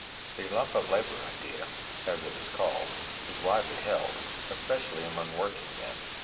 _ The "lump of labor" idea, as it is called, is widely held, especially among workingmen.